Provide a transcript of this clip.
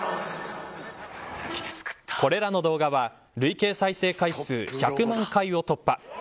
これらの動画は累計再生回数１００万回を突破。